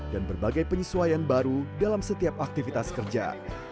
dan berbagai penyesuaian baru dalam setiap aktivitas kerja